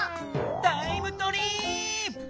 タイムトリーップ！